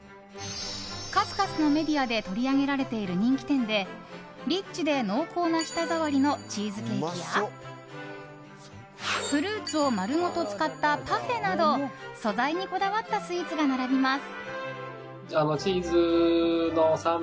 数々のメディアで取り上げられている人気店でリッチで濃厚な舌触りのチーズケーキやフルーツを丸ごと使ったパフェなど素材にこだわったスイーツが並びます。